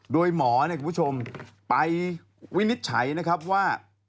โดยหมอเนี่ยคุณผู้ชมไปวินิจฉัยนะครับว่า